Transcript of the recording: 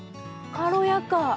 軽やか？